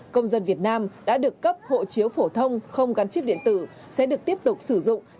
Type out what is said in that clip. công dân việt nam đã được cấp hộ chiếu phổ thông không gắn chip điện tử sẽ được tiếp tục sử dụng